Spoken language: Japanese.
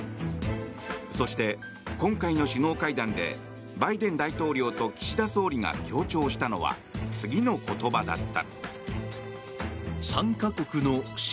そして、今回の首脳会談でバイデン大統領と岸田総理が強調したのは次の言葉だった。